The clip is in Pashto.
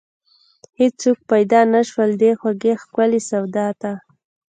هیڅوک پیدا نشول، دې خوږې ښکلې سودا ته